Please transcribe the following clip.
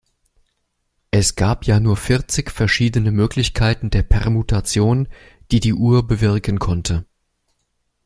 Es gab ja nur vierzig verschiedene Möglichkeiten der Permutation, die die Uhr bewirken konnte.